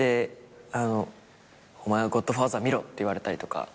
「お前は『ゴッドファーザー』見ろ」って言われたりとか。